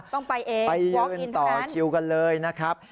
ต้องไปเองไปยืนต่อคิวกันเลยนะครับ